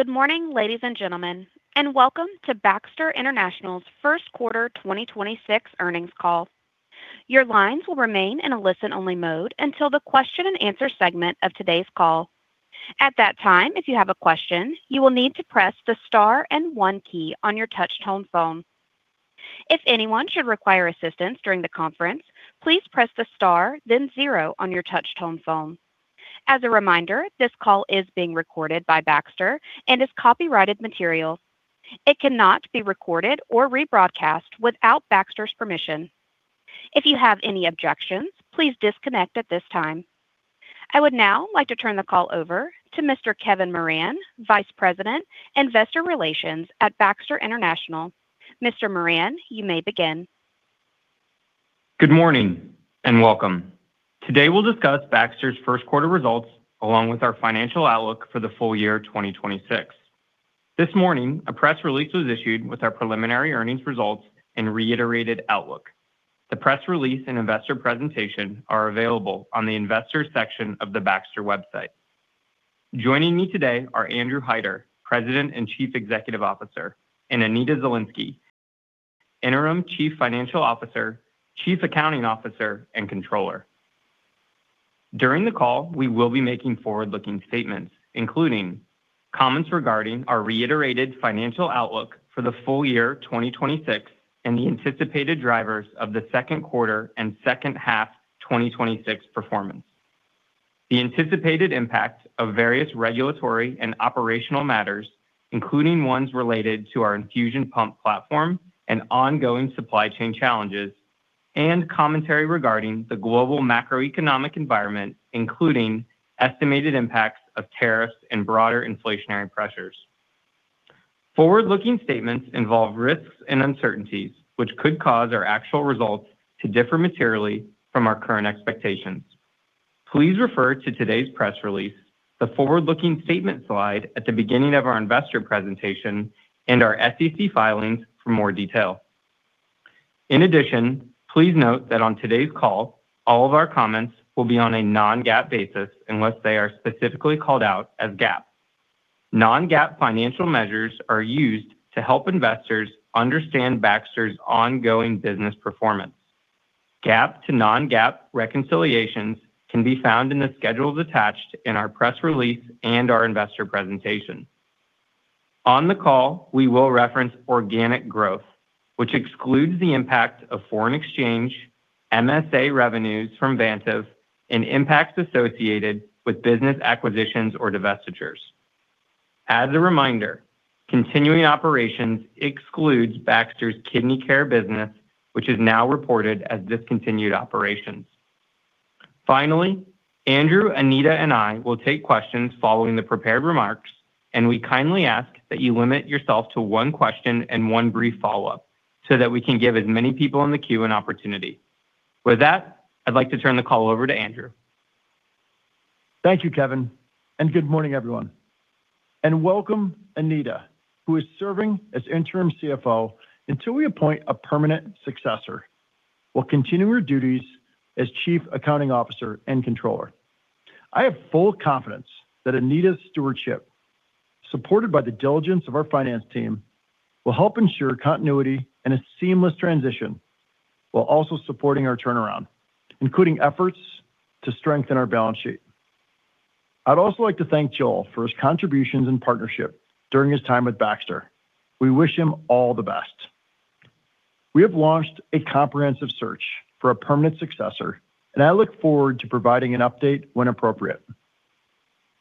Good morning, ladies and gentlemen, welcome to Baxter International's first quarter 2026 earnings call. Your lines will remain in a listen-only mode until the question and answer segment of today's call. At that time, if you have a question, you will need to press the star and one key on your touch-tone phone. If anyone should require assistance during the conference, please press the star then zero on your touch-tone phone. As a reminder, this call is being recorded by Baxter and is copyrighted material. It cannot be recorded or rebroadcast without Baxter's permission. If you have any objections, please disconnect at this time. I would now like to turn the call over to Mr. Kevin Moran, Vice President, Investor Relations at Baxter International. Mr. Moran, you may begin. Good morning and welcome. Today, we'll discuss Baxter's first quarter results along with our financial outlook for the full year 2026. This morning, a press release was issued with our preliminary earnings results and reiterated outlook. The press release and investor presentation are available on the investor section of the Baxter website. Joining me today are Andrew Hider, President and Chief Executive Officer, and Anita Zielinski, Interim Chief Financial Officer, Chief Accounting Officer and Controller. During the call, we will be making forward-looking statements, including comments regarding our reiterated financial outlook for the full year 2026, and the anticipated drivers of the second quarter and second half 2026 performance. The anticipated impact of various regulatory and operational matters, including ones related to our infusion pump platform and ongoing supply chain challenges, and commentary regarding the global macroeconomic environment, including estimated impacts of tariffs and broader inflationary pressures. Forward-looking statements involve risks and uncertainties, which could cause our actual results to differ materially from our current expectations. Please refer to today's press release, the forward-looking statement slide at the beginning of our investor presentation, and our SEC filings for more detail. In addition, please note that on today's call, all of our comments will be on a non-GAAP basis unless they are specifically called out as GAAP. Non-GAAP financial measures are used to help investors understand Baxter's ongoing business performance. GAAP to non-GAAP reconciliations can be found in the schedules attached in our press release and our investor presentation. On the call, we will reference organic growth, which excludes the impact of foreign exchange, MSA revenues from Vantive, and impacts associated with business acquisitions or divestitures. As a reminder, continuing operations excludes Baxter's kidney care business, which is now reported as discontinued operations. Finally, Andrew, Anita, and I will take questions following the prepared remarks, and we kindly ask that you limit yourself to one question and one brief follow-up so that we can give as many people on the queue an opportunity. With that, I'd like to turn the call over to Andrew. Thank you, Kevin. Good morning, everyone. Welcome, Anita, who is serving as interim CFO until we appoint a permanent successor while continuing her duties as Chief Accounting Officer and Controller. I have full confidence that Anita's stewardship, supported by the diligence of our finance team, will help ensure continuity and a seamless transition while also supporting our turnaround, including efforts to strengthen our balance sheet. I'd also like to thank Joel for his contributions and partnership during his time with Baxter. We wish him all the best. We have launched a comprehensive search for a permanent successor, and I look forward to providing an update when appropriate.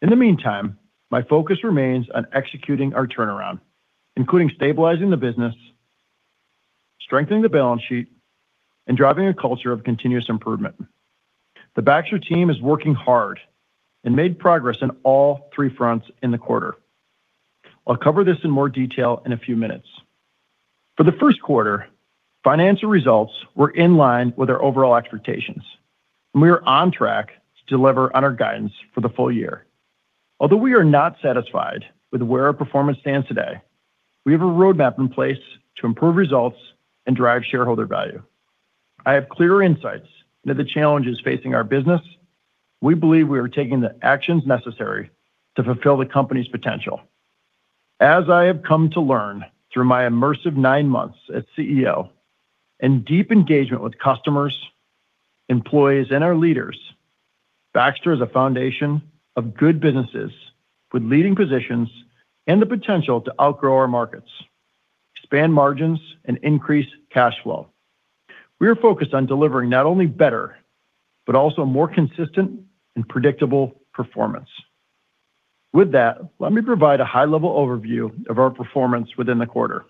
In the meantime, my focus remains on executing our turnaround, including stabilizing the business, strengthening the balance sheet, and driving a culture of continuous improvement. The Baxter team is working hard and made progress on all three fronts in the quarter. I'll cover this in more detail in a few minutes. For the first quarter, financial results were in line with our overall expectations, and we are on track to deliver on our guidance for the full year. Although we are not satisfied with where our performance stands today, we have a roadmap in place to improve results and drive shareholder value. I have clear insights into the challenges facing our business. We believe we are taking the actions necessary to fulfill the company's potential. As I have come to learn through my immersive nine months as CEO and deep engagement with customers, employees, and our leaders, Baxter is a foundation of good businesses with leading positions and the potential to outgrow our markets, expand margins, and increase cash flow. We are focused on delivering not only better, but also more consistent and predictable performance. With that, let me provide a high-level overview of our performance within the quarter.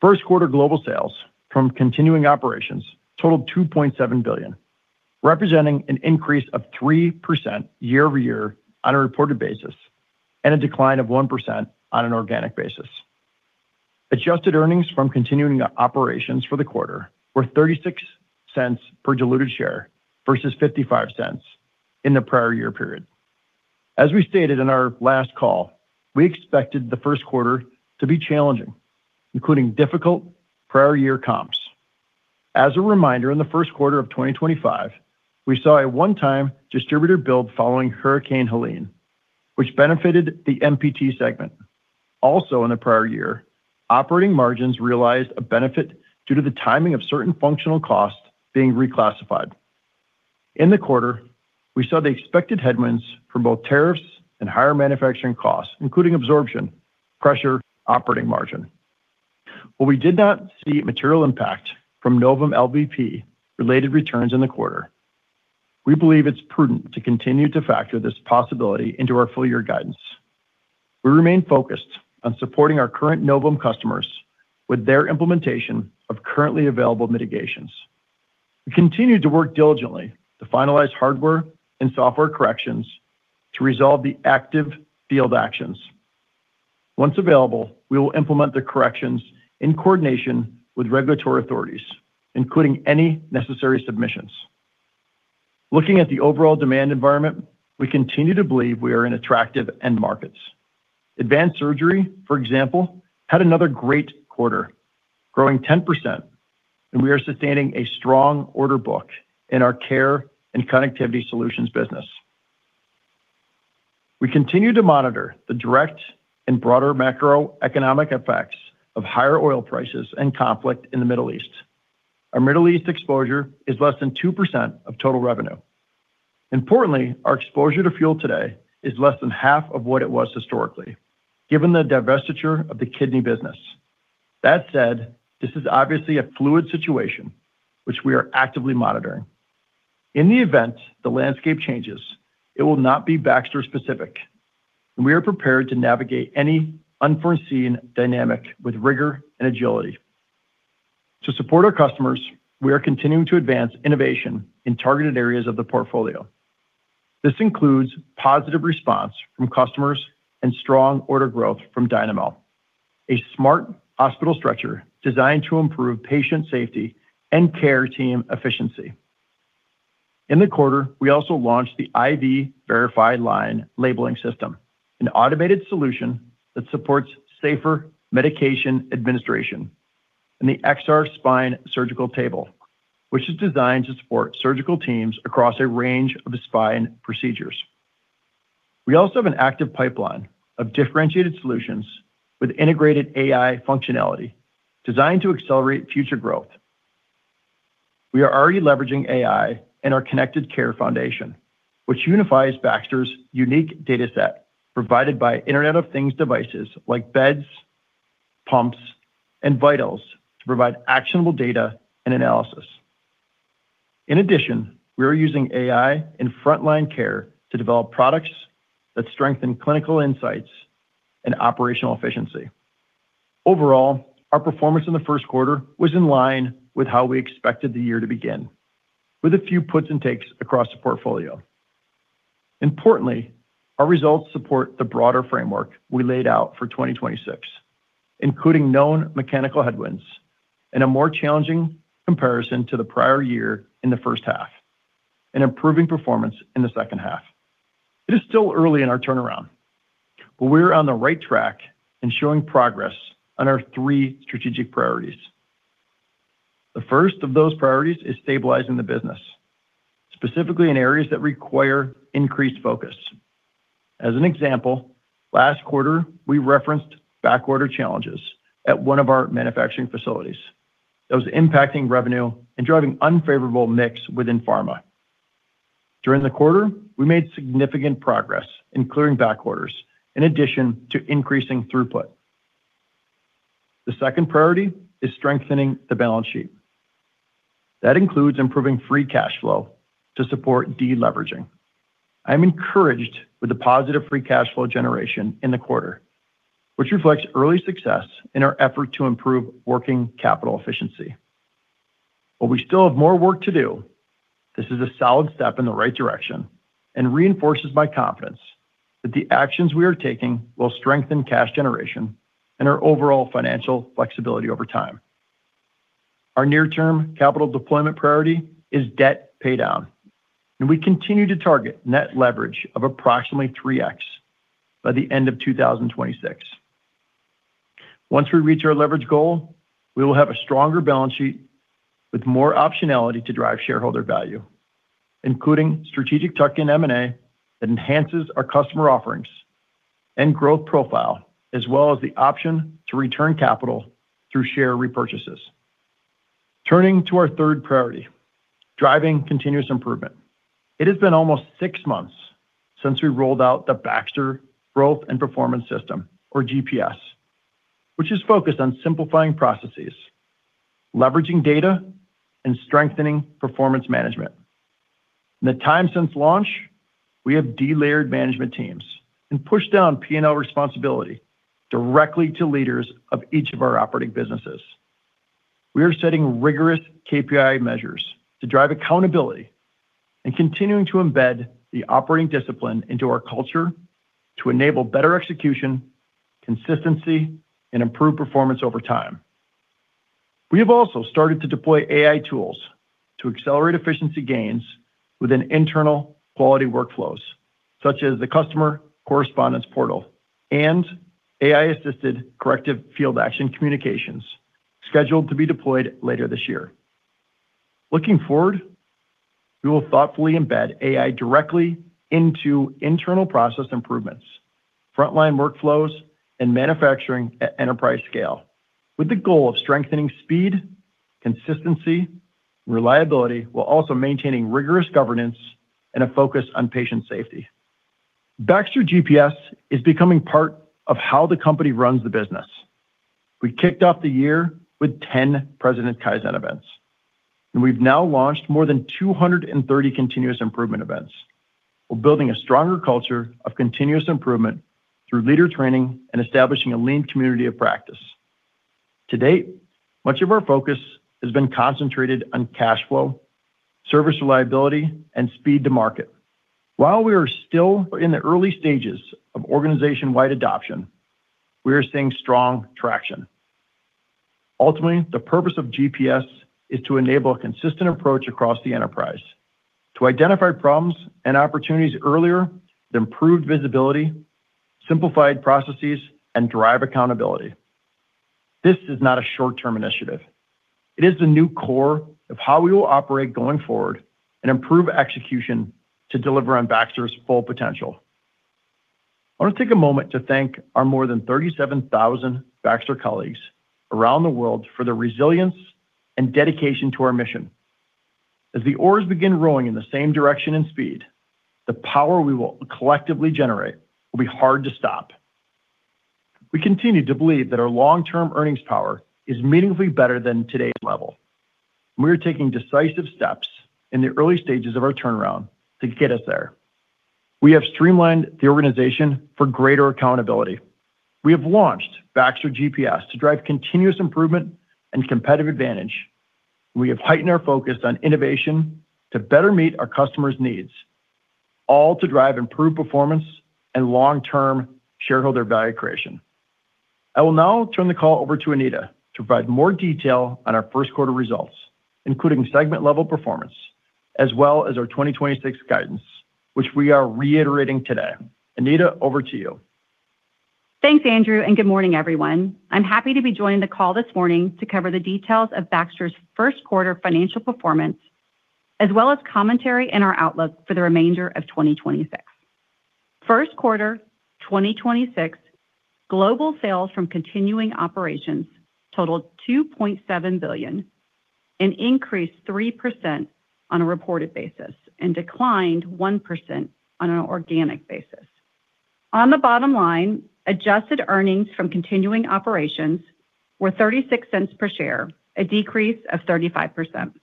First quarter global sales from continuing operations totaled $2.7 billion, representing an increase of 3% year-over-year on a reported basis, and a decline of 1% on an organic basis. Adjusted earnings from continuing operations for the quarter were $0.36 per diluted share versus $0.55 in the prior year period. As we stated in our last call, we expected the first quarter to be challenging, including difficult prior year comps. In the first quarter of 2025, we saw a one-time distributor build following Hurricane Helene, which benefited the MPT segment. In the prior year, operating margins realized a benefit due to the timing of certain functional costs being reclassified. In the quarter, we saw the expected headwinds from both tariffs and higher manufacturing costs, including absorption pressure operating margin. While we did not see material impact from Novum LVP related returns in the quarter, we believe it's prudent to continue to factor this possibility into our full year guidance. We remain focused on supporting our current Novum customers with their implementation of currently available mitigations. We continue to work diligently to finalize hardware and software corrections to resolve the active field actions. Once available, we will implement the corrections in coordination with regulatory authorities, including any necessary submissions. Looking at the overall demand environment, we continue to believe we are in attractive end markets. Advanced Surgery, for example, had another great quarter, growing 10%, and we are sustaining a strong order book in our Care and Connectivity Solutions business. We continue to monitor the direct and broader macroeconomic effects of higher oil prices and conflict in the Middle East. Our Middle East exposure is less than 2% of total revenue. Importantly, our exposure to fuel today is less than half of what it was historically, given the divestiture of the Kidney business. That said, this is obviously a fluid situation which we are actively monitoring. In the event the landscape changes, it will not be Baxter specific, and we are prepared to navigate any unforeseen dynamic with rigor and agility. To support our customers, we are continuing to advance innovation in targeted areas of the portfolio. This includes positive response from customers and strong order growth from Dynamo, a smart hospital stretcher designed to improve patient safety and care team efficiency. In the quarter, we also launched the IV Verify Line Labeling System, an automated solution that supports safer medication administration, and the XR Spine surgical table, which is designed to support surgical teams across a range of spine procedures. We also have an active pipeline of differentiated solutions with integrated AI functionality designed to accelerate future growth. We are already leveraging AI in our Connected Care Foundation, which unifies Baxter's unique data set provided by Internet of Things devices like beds, pumps, and vitals to provide actionable data and analysis. In addition, we are using AI in Front Line Care to develop products that strengthen clinical insights and operational efficiency. Overall, our performance in the first quarter was in line with how we expected the year to begin, with a few puts and takes across the portfolio. Importantly, our results support the broader framework we laid out for 2026, including known mechanical headwinds and a more challenging comparison to the prior year in the first half and improving performance in the second half. It is still early in our turnaround, but we're on the right track and showing progress on our three strategic priorities. The first of those priorities is stabilizing the business, specifically in areas that require increased focus. As an example, last quarter, we referenced back order challenges at one of our manufacturing facilities that was impacting revenue and driving unfavorable mix within pharma. During the quarter, we made significant progress in clearing back orders in addition to increasing throughput. The second priority is strengthening the balance sheet. That includes improving free cash flow to support deleveraging. I'm encouraged with the positive free cash flow generation in the quarter, which reflects early success in our effort to improve working capital efficiency. While we still have more work to do, this is a solid step in the right direction and reinforces my confidence that the actions we are taking will strengthen cash generation and our overall financial flexibility over time. Our near-term capital deployment priority is debt paydown, and we continue to target net leverage of approximately 3x by the end of 2026. Once we reach our leverage goal, we will have a stronger balance sheet with more optionality to drive shareholder value, including strategic tuck-in M&A that enhances our customer offerings and growth profile as well as the option to return capital through share repurchases. Turning to our third priority, driving continuous improvement. It has been almost six months since we rolled out the Baxter Growth and Performance System, or GPS, which is focused on simplifying processes, leveraging data, and strengthening performance management. In the time since launch, we have delayered management teams and pushed down P&L responsibility directly to leaders of each of our operating businesses. We are setting rigorous KPI measures to drive accountability and continuing to embed the operating discipline into our culture to enable better execution, consistency, and improved performance over time. We have also started to deploy AI tools to accelerate efficiency gains within internal quality workflows, such as the customer correspondence portal and AI-assisted corrective field action communications scheduled to be deployed later this year. Looking forward, we will thoughtfully embed AI directly into internal process improvements, frontline workflows, and manufacturing at enterprise scale with the goal of strengthening speed, consistency, reliability, while also maintaining rigorous governance and a focus on patient safety. Baxter GPS is becoming part of how the company runs the business. We kicked off the year with 10 President Kaizen events, and we've now launched more than 230 continuous improvement events. We're building a stronger culture of continuous improvement through leader training and establishing a lean community of practice. To date, much of our focus has been concentrated on cash flow, service reliability, and speed to market. While we are still in the early stages of organization-wide adoption, we are seeing strong traction. Ultimately, the purpose of GPS is to enable a consistent approach across the enterprise to identify problems and opportunities earlier than improved visibility, simplified processes, and drive accountability. This is not a short-term initiative. It is the new core of how we will operate going forward and improve execution to deliver on Baxter's full potential. I want to take a moment to thank our more than 37,000 Baxter colleagues around the world for their resilience and dedication to our mission. As the oars begin rowing in the same direction and speed, the power we will collectively generate will be hard to stop. We continue to believe that our long-term earnings power is meaningfully better than today's level. We are taking decisive steps in the early stages of our turnaround to get us there. We have streamlined the organization for greater accountability. We have launched Baxter GPS to drive continuous improvement and competitive advantage. We have heightened our focus on innovation to better meet our customers' needs, all to drive improved performance and long-term shareholder value creation. I will now turn the call over to Anita to provide more detail on our first quarter results, including segment level performance, as well as our 2026 guidance, which we are reiterating today. Anita, over to you. Thanks, Andrew. Good morning, everyone. I'm happy to be joining the call this morning to cover the details of Baxter's first quarter financial performance, as well as commentary and our outlook for the remainder of 2026. First quarter 2026 global sales from continuing operations totaled $2.7 billion and increased 3% on a reported basis and declined 1% on an organic basis. On the bottom line, adjusted earnings from continuing operations were $0.36 per share, a decrease of 35%.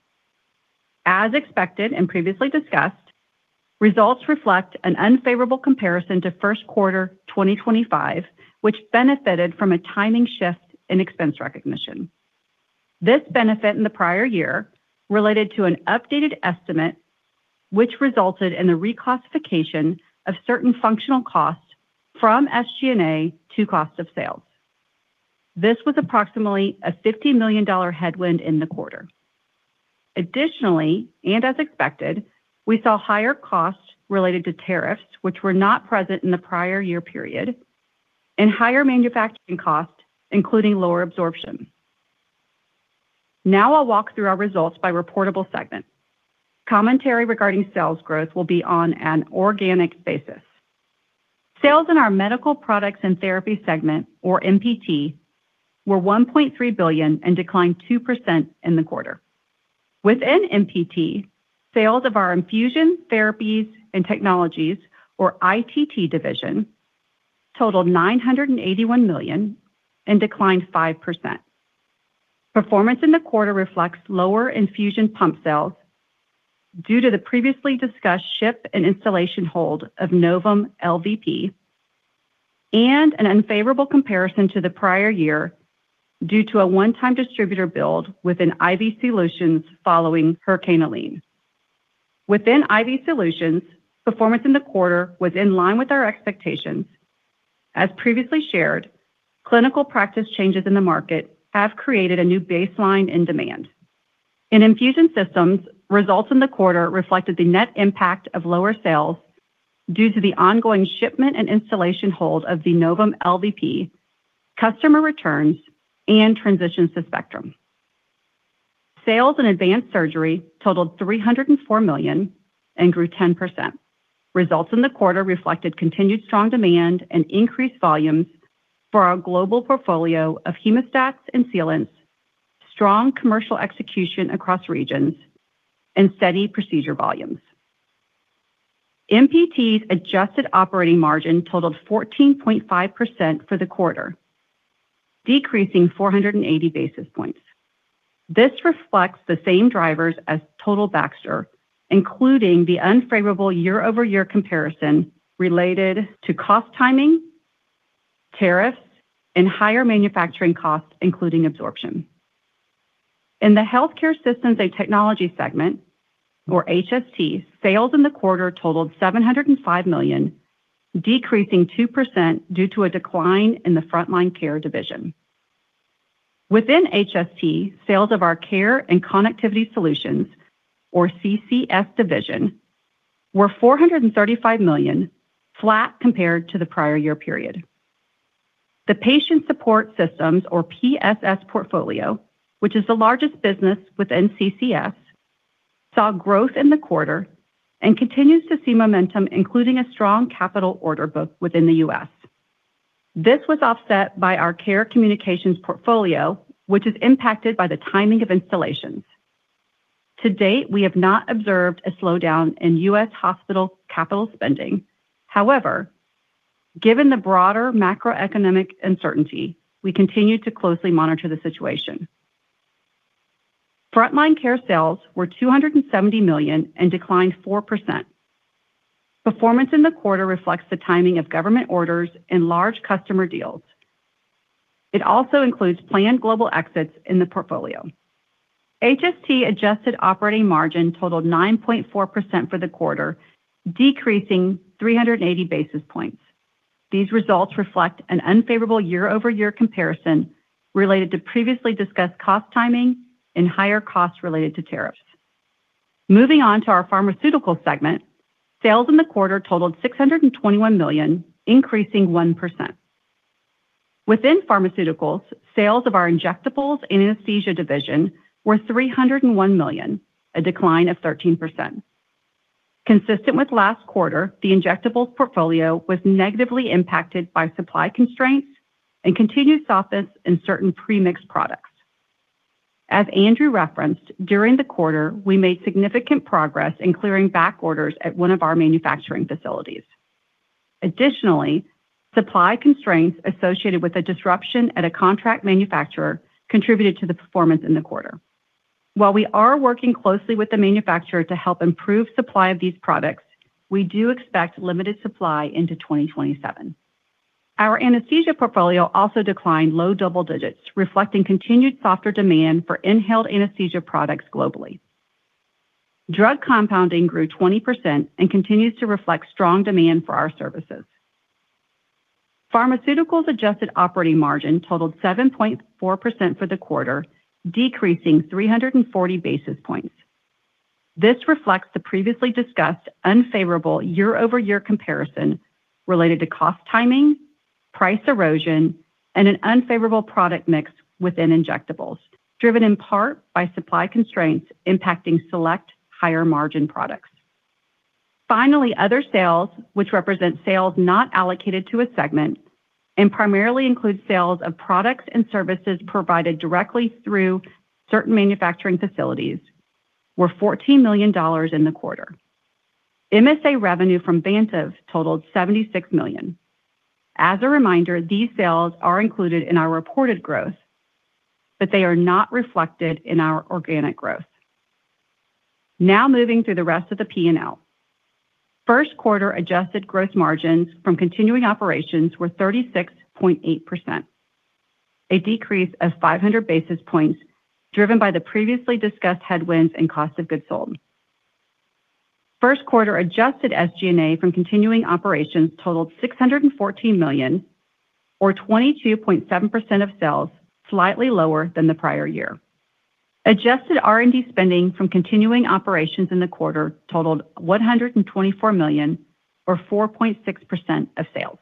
As expected and previously discussed, results reflect an unfavorable comparison to first quarter 2025, which benefited from a timing shift in expense recognition. This benefit in the prior year related to an updated estimate which resulted in the reclassification of certain functional costs from SG&A to cost of sales. This was approximately a $50 million headwind in the quarter. Additionally and as expected, we saw higher costs related to tariffs which were not present in the prior year period and higher manufacturing costs, including lower absorption. I'll walk through our results by reportable segment. Commentary regarding sales growth will be on an organic basis. Sales in our Medical Products & Therapies segment, or MPT, were $1.3 billion and declined 2% in the quarter. Within MPT, sales of our Infusion Therapies and Technologies, or ITT division, totaled $981 million and declined 5%. Performance in the quarter reflects lower infusion pump sales due to the previously discussed ship and installation hold of Novum LVP and an unfavorable comparison to the prior year due to a one-time distributor build within IV solutions following Hurricane Helene. Within IV solutions, performance in the quarter was in line with our expectations. As previously shared, clinical practice changes in the market have created a new baseline in demand. In Infusion Systems, results in the quarter reflected the net impact of lower sales due to the ongoing shipment and installation hold of the Novum LVP, customer returns, and transitions to Spectrum. Sales in Advanced Surgery totaled $304 million and grew 10%. Results in the quarter reflected continued strong demand and increased volumes for our global portfolio of hemostats and sealants, strong commercial execution across regions, and steady procedure volumes. MPT's adjusted operating margin totaled 14.5% for the quarter, decreasing 480 basis points. This reflects the same drivers as total Baxter, including the unfavorable year-over-year comparison related to cost timing, tariffs, and higher manufacturing costs, including absorption. In the Healthcare Systems & Technologies segment, or HST, sales in the quarter totaled $705 million, decreasing 2% due to a decline in the Front Line Care division. Within HST, sales of our Care and Connectivity Solutions, or CCS division, were $435 million, flat compared to the prior year period. The Patient Support Systems, or PSS portfolio, which is the largest business within CCS, saw growth in the quarter and continues to see momentum, including a strong capital order book within the U.S. This was offset by our care communications portfolio, which is impacted by the timing of installations. To date, we have not observed a slowdown in U.S. hospital capital spending. Given the broader macroeconomic uncertainty, we continue to closely monitor the situation. Front Line Care sales were $270 million and declined 4%. Performance in the quarter reflects the timing of government orders and large customer deals. It also includes planned global exits in the portfolio. HST adjusted operating margin totaled 9.4% for the quarter, decreasing 380 basis points. These results reflect an unfavorable year-over-year comparison related to previously discussed cost timing and higher costs related to tariffs. Moving on to our pharmaceutical segment. Sales in the quarter totaled $621 million, increasing 1%. Within pharmaceuticals, sales of our injectables and anesthesia division were $301 million, a decline of 13%. Consistent with last quarter, the injectables portfolio was negatively impacted by supply constraints and continued softness in certain pre-mixed products. As Andrew referenced, during the quarter, we made significant progress in clearing back orders at one of our manufacturing facilities. Additionally, supply constraints associated with a disruption at a contract manufacturer contributed to the performance in the quarter. While we are working closely with the manufacturer to help improve supply of these products, we do expect limited supply into 2027. Our anesthesia portfolio also declined low double digits, reflecting continued softer demand for inhaled anesthesia products globally. Drug Compounding grew 20% and continues to reflect strong demand for our services. Pharmaceuticals adjusted operating margin totaled 7.4% for the quarter, decreasing 340 basis points. This reflects the previously discussed unfavorable year-over-year comparison related to cost timing, price erosion, and an unfavorable product mix within injectables, driven in part by supply constraints impacting select higher-margin products. Other sales, which represent sales not allocated to a segment and primarily include sales of products and services provided directly through certain manufacturing facilities, were $14 million in the quarter. MSA revenue from Vantive totaled $76 million. As a reminder, these sales are included in our reported growth, but they are not reflected in our organic growth. Now, moving through the rest of the P&L. First quarter adjusted gross margins from continuing operations were 36.8%, a decrease of 500 basis points driven by the previously discussed headwinds and cost of goods sold. First quarter adjusted SG&A from continuing operations totaled $614 million or 22.7% of sales, slightly lower than the prior year. Adjusted R&D spending from continuing operations in the quarter totaled $124 million or 4.6% of sales.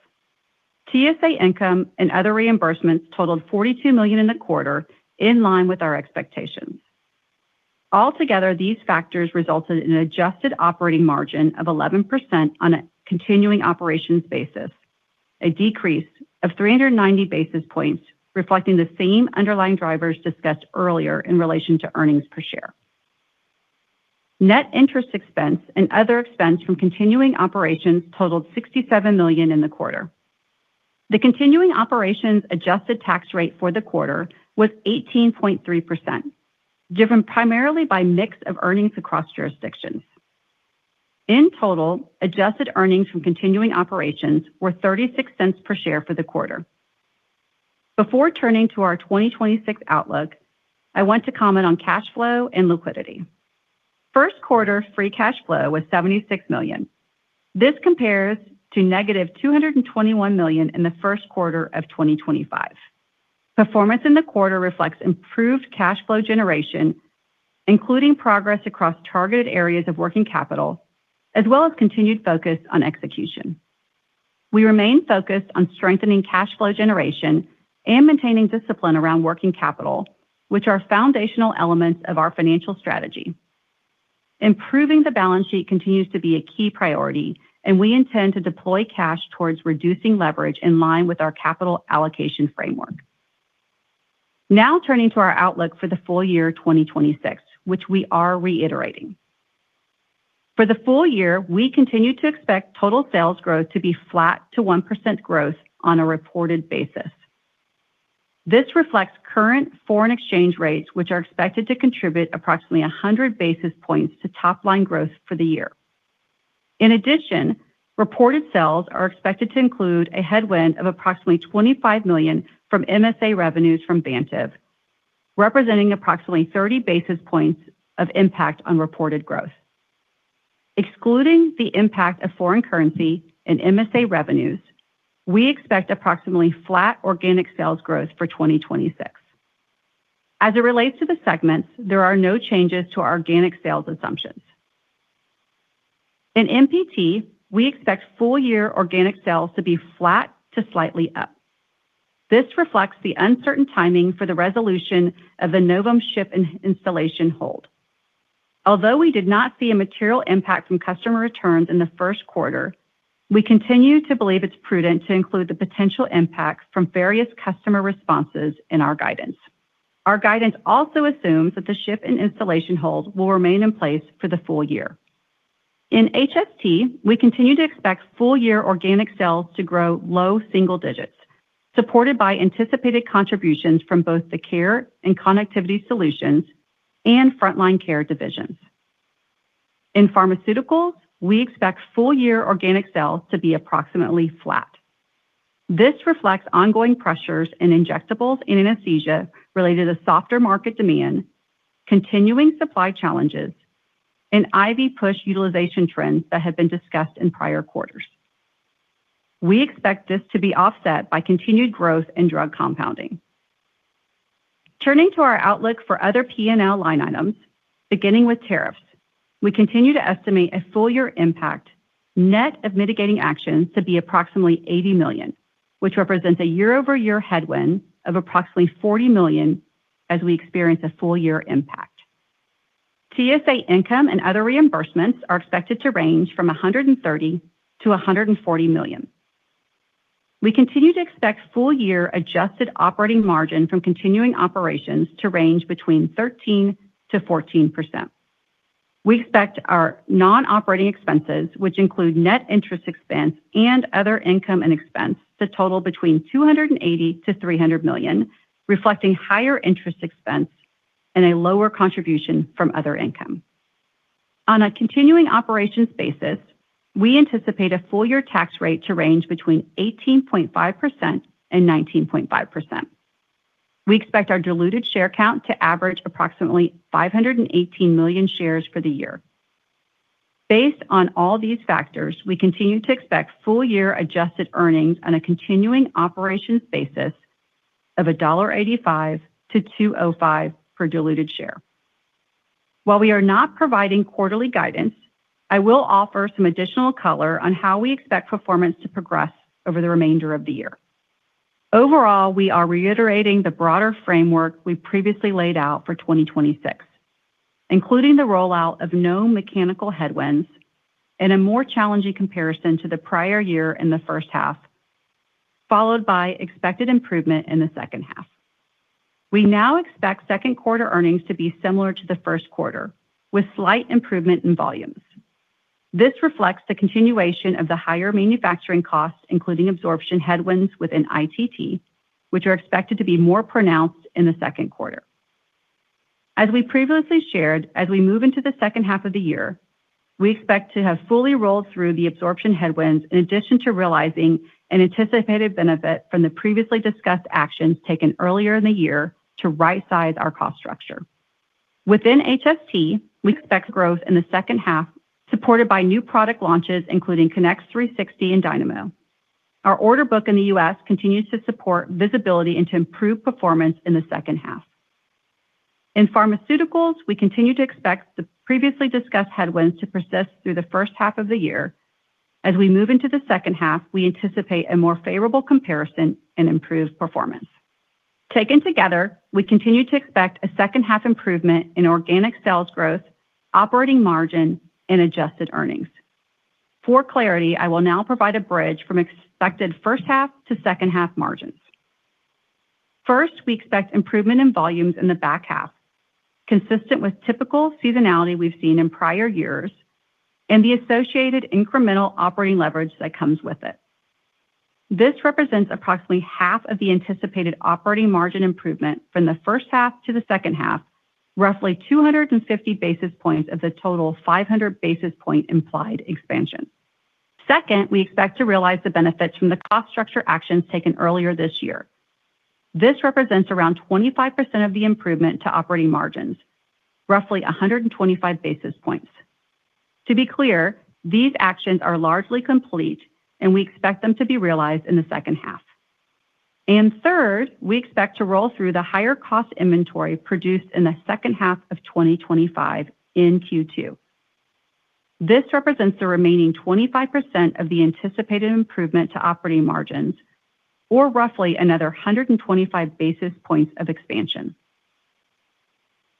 TSA income and other reimbursements totaled $42 million in the quarter, in line with our expectations. Altogether, these factors resulted in an adjusted operating margin of 11% on a continuing operations basis, a decrease of 390 basis points, reflecting the same underlying drivers discussed earlier in relation to earnings per share. Net interest expense and other expense from continuing operations totaled $67 million in the quarter. The continuing operations adjusted tax rate for the quarter was 18.3%, driven primarily by mix of earnings across jurisdictions. In total, adjusted earnings from continuing operations were $0.36 per share for the quarter. Before turning to our 2026 outlook, I want to comment on cash flow and liquidity. First quarter free cash flow was $76 million. This compares to negative $221 million in the first quarter of 2025. Performance in the quarter reflects improved cash flow generation, including progress across targeted areas of working capital, as well as continued focus on execution. We remain focused on strengthening cash flow generation and maintaining discipline around working capital, which are foundational elements of our financial strategy. Improving the balance sheet continues to be a key priority, and we intend to deploy cash towards reducing leverage in line with our capital allocation framework. Now turning to our outlook for the full year 2026, which we are reiterating. For the full year, we continue to expect total sales growth to be flat to 1% growth on a reported basis. This reflects current foreign exchange rates, which are expected to contribute approximately 100 basis points to top-line growth for the year. In addition, reported sales are expected to include a headwind of approximately $25 million from MSA revenues from Vantive, representing approximately 30 basis points of impact on reported growth. Excluding the impact of foreign currency and MSA revenues, we expect approximately flat organic sales growth for 2026. As it relates to the segments, there are no changes to our organic sales assumptions. In MPT, we expect full year organic sales to be flat to slightly up. This reflects the uncertain timing for the resolution of the Novum ship and installation hold. Although we did not see a material impact from customer returns in the first quarter, we continue to believe it's prudent to include the potential impact from various customer responses in our guidance. Our guidance also assumes that the ship and installation hold will remain in place for the full year. In HST, we continue to expect full year organic sales to grow low single digits, supported by anticipated contributions from both the Care and Connectivity Solutions and Front Line Care divisions. In pharmaceuticals, we expect full year organic sales to be approximately flat. This reflects ongoing pressures in injectables and anesthesia related to softer market demand, continuing supply challenges, and IV push utilization trends that have been discussed in prior quarters. We expect this to be offset by continued growth in Drug Compounding. Turning to our outlook for other P&L line items, beginning with tariffs, we continue to estimate a full year impact net of mitigating actions to be approximately $80 million, which represents a year-over-year headwind of approximately $40 million as we experience a full year impact. TSA income and other reimbursements are expected to range from $130 million-$140 million. We continue to expect full year adjusted operating margin from Continuing Operations to range between 13%-14%. We expect our non-operating expenses, which include net interest expense and other income and expense, to total between $280 million-$300 million, reflecting higher interest expense and a lower contribution from other income. On a Continuing Operations basis, we anticipate a full year tax rate to range between 18.5% and 19.5%. We expect our diluted share count to average approximately 518 million shares for the year. Based on all these factors, we continue to expect full year adjusted earnings on a Continuing Operations basis of $1.85-$2.05 per diluted share. While we are not providing quarterly guidance, I will offer some additional color on how we expect performance to progress over the remainder of the year. Overall, we are reiterating the broader framework we previously laid out for 2026, including the rollout of known mechanical headwinds and a more challenging comparison to the prior year in the first half, followed by expected improvement in the second half. We now expect second quarter earnings to be similar to the first quarter, with slight improvement in volumes. This reflects the continuation of the higher manufacturing costs, including absorption headwinds within ITT, which are expected to be more pronounced in the second quarter. As we previously shared, as we move into the second half of the year, we expect to have fully rolled through the absorption headwinds in addition to realizing an anticipated benefit from the previously discussed actions taken earlier in the year to rightsize our cost structure. Within HST, we expect growth in the second half supported by new product launches, including Connex 360 and Dynamo. Our order book in the U.S. continues to support visibility into improved performance in the second half. In pharmaceuticals, we continue to expect the previously discussed headwinds to persist through the first half of the year. As we move into the second half, we anticipate a more favorable comparison and improved performance. Taken together, we continue to expect a second half improvement in organic sales growth, operating margin, and adjusted earnings. For clarity, I will now provide a bridge from expected first half to second half margins. First, we expect improvement in volumes in the back half, consistent with typical seasonality we've seen in prior years and the associated incremental operating leverage that comes with it. This represents approximately half of the anticipated operating margin improvement from the first half to the second half, roughly 250 basis points of the total 500 basis point implied expansion. Second, we expect to realize the benefits from the cost structure actions taken earlier this year. This represents around 25% of the improvement to operating margins, roughly 125 basis points. To be clear, these actions are largely complete, and we expect them to be realized in the second half. Third, we expect to roll through the higher cost inventory produced in the second half of 2025 in Q2. This represents the remaining 25% of the anticipated improvement to operating margins or roughly another 125 basis points of expansion.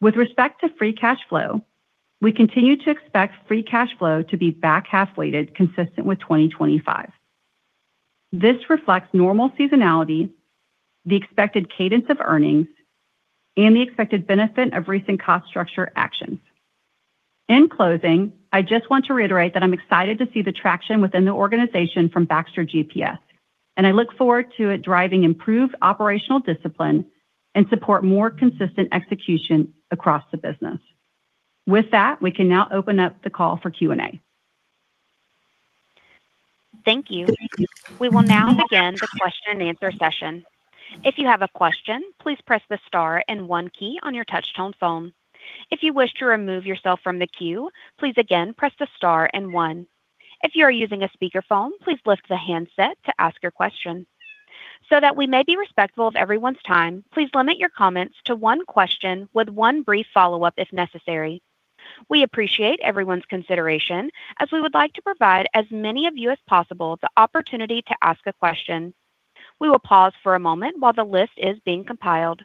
With respect to free cash flow, we continue to expect free cash flow to be back half weighted consistent with 2025. This reflects normal seasonality, the expected cadence of earnings, and the expected benefit of recent cost structure actions. In closing, I just want to reiterate that I'm excited to see the traction within the organization from Baxter GPS, and I look forward to it driving improved operational discipline and support more consistent execution across the business. With that, we can now open up the call for Q&A. Thank you. We will now begin the question and answer session. If you have a question, please press the star and one key on your touch tone phone. If you wish to remove yourself from the queue, please again, press the star and one. If you are using a speaker phone, please lift the handset to ask your question. That we may be respectful of everyone's time, please limit your comments to one question with one brief follow-up if necessary. We appreciate everyone's consideration as we would like to provide as many of you as possible the opportunity to ask a question. We will pause for a moment while the list is being compiled.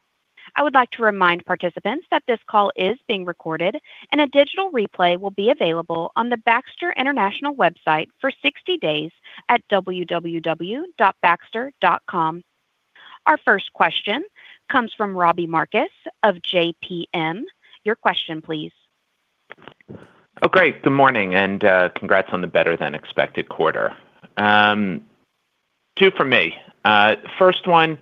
I would like to remind participants that this call is being recorded, and a digital replay will be available on the Baxter International website for 60 days at www.baxter.com. Our first question comes from Robbie Marcus of JPM. Your question, please. Oh, great. Good morning, and congrats on the better than expected quarter. Two for me. First one,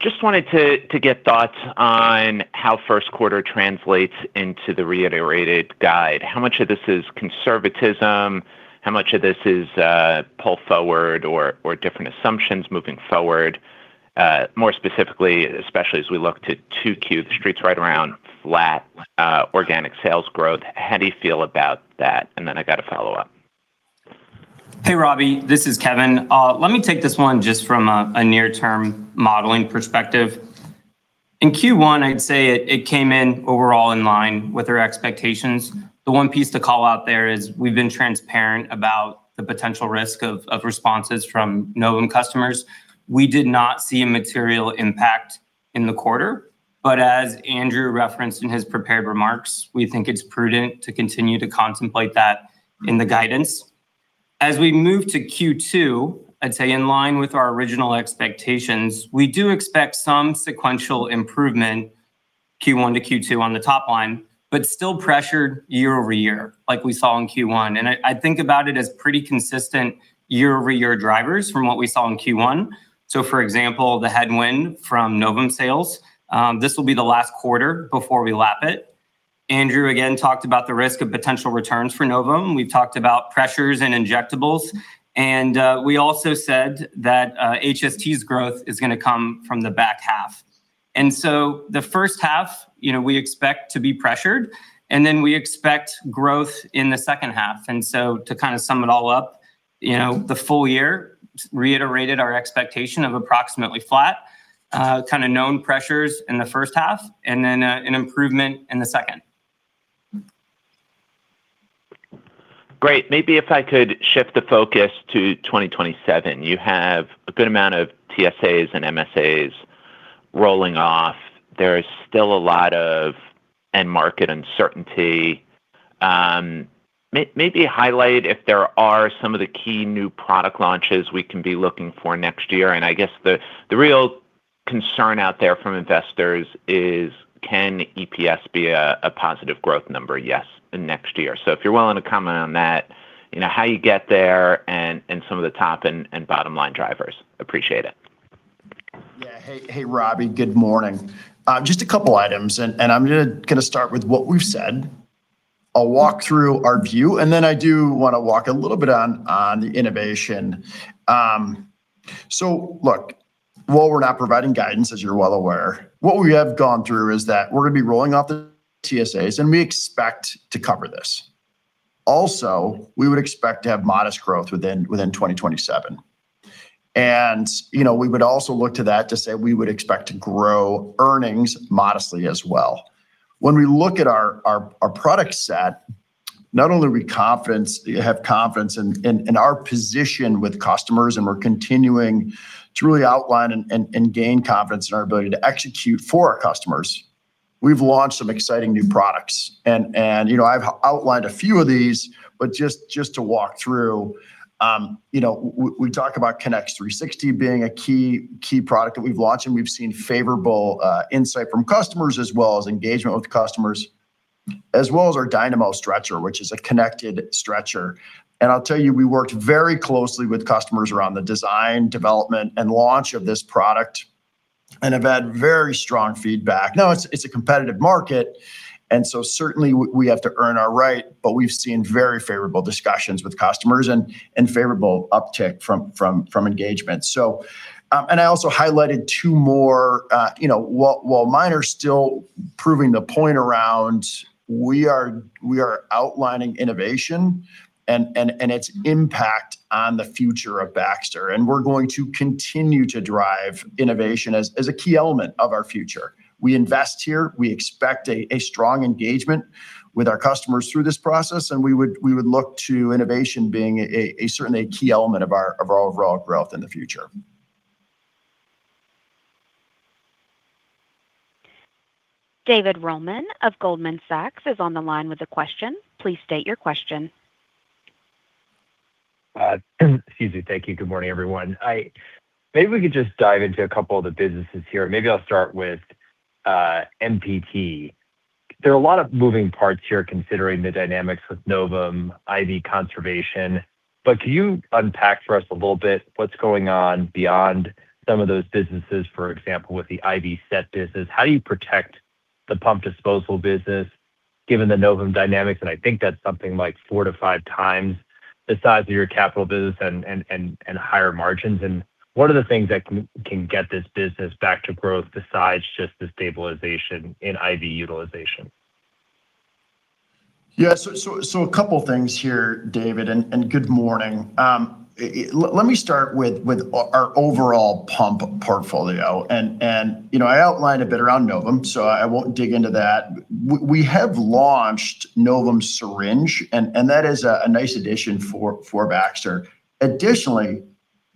just wanted to get thoughts on how first quarter translates into the reiterated guide. How much of this is conservatism? How much of this is pull forward or different assumptions moving forward? More specifically, especially as we look to 2Q, the street's right around flat organic sales growth. How do you feel about that? I got a follow-up. Hey, Robbie. This is Kevin. Let me take this one just from a near term modeling perspective. In Q1, I'd say it came in overall in line with our expectations. The one piece to call out there is we've been transparent about the potential risk of responses from Novum customers. We did not see a material impact in the quarter. As Andrew referenced in his prepared remarks, we think it's prudent to continue to contemplate that in the guidance. As we move to Q2, I'd say in line with our original expectations, we do expect some sequential improvement Q1 to Q2 on the top line, but still pressured year-over-year like we saw in Q1. I think about it as pretty consistent year-over-year drivers from what we saw in Q1. For example, the headwind from Novum sales, this will be the last quarter before we lap it. Andrew, again, talked about the risk of potential returns for Novum. We've talked about pressures and injectables. We also said that HST's growth is going to come from the back half. The first half, you know, we expect to be pressured, then we expect growth in the second half. To kind of sum it all up, you know, the full year reiterated our expectation of approximately flat. Kind of known pressures in the first half, then an improvement in the second. Great. Maybe if I could shift the focus to 2027. You have a good amount of TSAs and MSAs rolling off. There is still a lot of end market uncertainty. Maybe highlight if there are some of the key new product launches we can be looking for next year. I guess the real concern out there from investors is, can EPS be a positive growth number, yes, next year. If you're willing to comment on that, you know, how you get there and some of the top and bottom line drivers. Appreciate it. Hey, Robbie. Good morning. Just a couple items. I'm gonna start with what we've said. I'll walk through our view, and then I do wanna walk a little bit on the innovation. Look, while we're not providing guidance, as you're well aware, what we have gone through is that we're gonna be rolling out the TSAs, and we expect to cover this. We would expect to have modest growth within 2027. You know, we would also look to that to say we would expect to grow earnings modestly as well. When we look at our product set, not only do we have confidence in our position with customers, and we're continuing to really outline and gain confidence in our ability to execute for our customers. We've launched some exciting new products and, you know, I've outlined a few of these, but just to walk through, you know, we talk about Connex 360 being a key product that we've launched, and we've seen favorable insight from customers as well as engagement with customers, as well as our Dynamo Stretcher, which is a connected stretcher. I'll tell you, we worked very closely with customers around the design, development, and launch of this product and have had very strong feedback. It's a competitive market, certainly we have to earn our right, but we've seen very favorable discussions with customers and favorable uptick from engagement. I also highlighted two more, you know, while minor, still proving the point around we are outlining innovation and its impact on the future of Baxter. We're going to continue to drive innovation as a key element of our future. We invest here. We expect a strong engagement with our customers through this process, and we would look to innovation being a certainly a key element of our overall growth in the future. David Roman of Goldman Sachs is on the line with a question. Please state your question. Excuse me. Thank you. Good morning, everyone. Maybe we could just dive into a couple of the businesses here. Maybe I'll start with MPT. There are a lot of moving parts here considering the dynamics with Novum, IV conservation. Can you unpack for us a little bit what's going on beyond some of those businesses? For example, with the IV set business. How do you protect the pump disposal business? Given the Novum dynamics, and I think that's something like 4x-5x the size of your capital business and higher margins, what are the things that can get this business back to growth besides just the stabilization in IV utilization? Yeah. A couple things here, David, and good morning. Let me start with our overall pump portfolio. You know, I outlined a bit around Novum, I won't dig into that. We have launched Novum Syringe and that is a nice addition for Baxter. Additionally,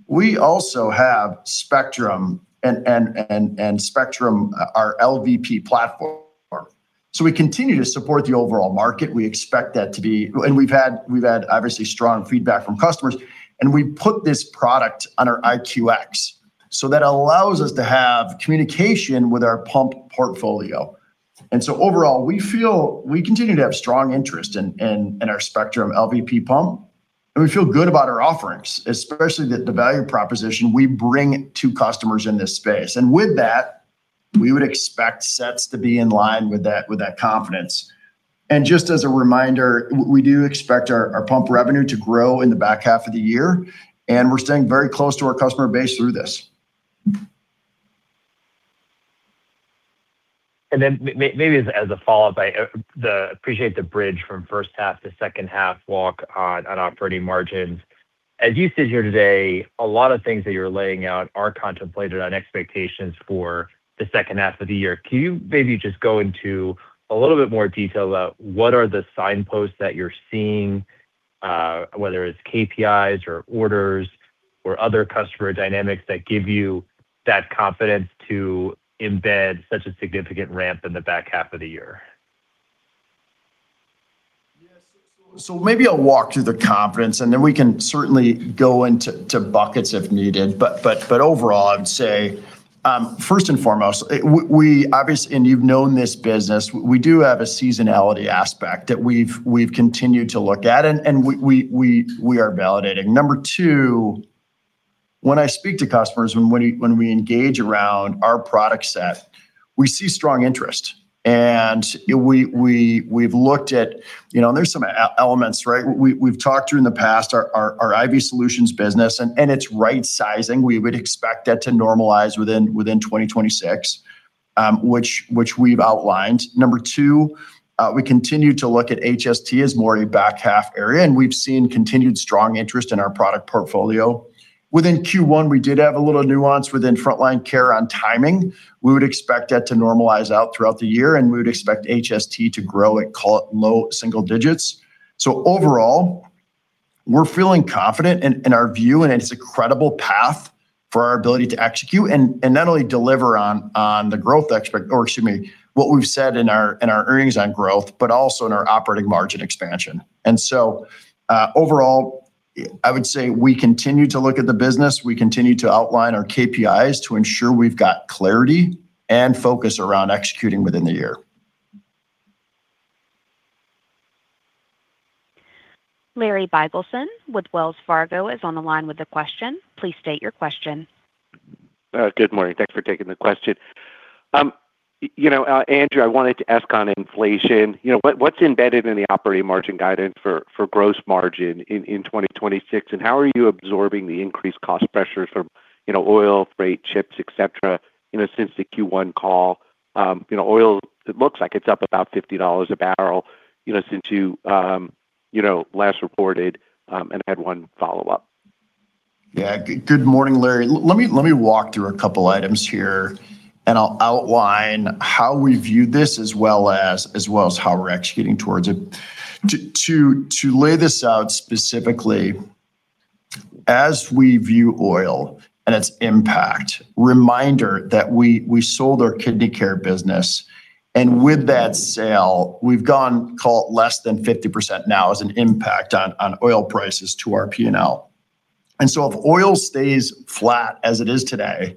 we also have Spectrum and Spectrum, our LVP platform. We continue to support the overall market. We've had obviously strong feedback from customers. We put this product on our IQX, that allows us to have communication with our pump portfolio. Overall, we feel we continue to have strong interest in our Spectrum LVP pump, and we feel good about our offerings, especially the value proposition we bring to customers in this space. With that, we would expect sets to be in line with that confidence. Just as a reminder, we do expect our pump revenue to grow in the back half of the year, and we're staying very close to our customer base through this. Maybe as a follow-up, I appreciate the bridge from first half to second half walk on operating margins. As you sit here today, a lot of things that you're laying out are contemplated on expectations for the second half of the year. Can you maybe just go into a little bit more detail about what are the signposts that you're seeing, whether it's KPIs or orders or other customer dynamics that give you that confidence to embed such a significant ramp in the back half of the year? Maybe I'll walk through the confidence, and then we can certainly go into buckets if needed. Overall, I would say, first and foremost, we And you've known this business. We do have a seasonality aspect that we've continued to look at, and we are validating. Number two, when I speak to customers, when we engage around our product set, we see strong interest. You know, we've looked at, you know, there's some e-elements, right? We've talked through in the past our IV solutions business and it's right sizing. We would expect that to normalize within 2026, which we've outlined. Number two, we continue to look at HST as more a back half area, and we've seen continued strong interest in our product portfolio. Within Q1, we did have a little nuance within Front Line Care on timing. We would expect that to normalize out throughout the year, and we would expect HST to grow at, call it, low single digits. Overall, we're feeling confident in our view, and it's a credible path for our ability to execute and not only deliver on the growth or excuse me, what we've said in our earnings on growth, but also in our operating margin expansion. Overall, I would say we continue to look at the business. We continue to outline our KPIs to ensure we've got clarity and focus around executing within the year. Larry Biegelsen with Wells Fargo is on the line with a question. Please state your question. Good morning. Thanks for taking the question. You know, Andrew, I wanted to ask on inflation, you know, what's embedded in the operating margin guidance for gross margin in 2026? How are you absorbing the increased cost pressures from, you know, oil, freight, chips, et cetera, you know, since the Q1 call? You know, oil, it looks like it's up about $50 a barrel, you know, since you know, last reported. I had one follow-up. Yeah. Good morning, Larry. Let me walk through a couple items here, and I'll outline how we view this as well as how we're executing towards it. To lay this out specifically, as we view oil and its impact, reminder that we sold our kidney care business. With that sale, we've gone, call it, less than 50% now as an impact on oil prices to our P&L. If oil stays flat as it is today,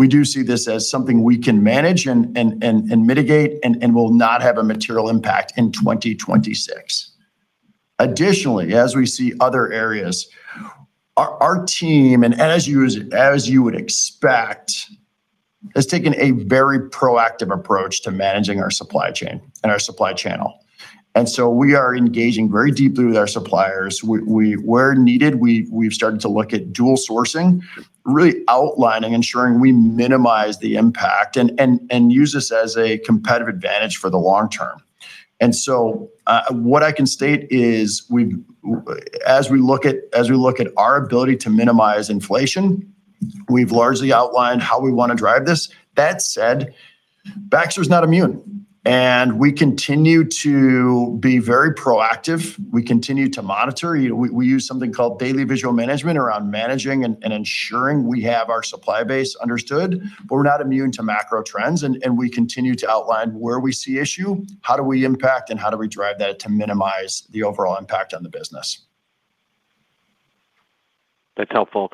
we do see this as something we can manage and mitigate and will not have a material impact in 2026. Additionally, as we see other areas, our team, and as you would expect, has taken a very proactive approach to managing our supply chain and our supply channel. We are engaging very deeply with our suppliers. Where needed, we've started to look at dual sourcing, really outlining, ensuring we minimize the impact and use this as a competitive advantage for the long term. What I can state is as we look at our ability to minimize inflation, we've largely outlined how we wanna drive this. That said, Baxter is not immune, and we continue to be very proactive. We continue to monitor. You know, we use something called daily visual management around managing and ensuring we have our supply base understood. We're not immune to macro trends, and we continue to outline where we see issue, how do we impact, and how do we drive that to minimize the overall impact on the business. That's helpful.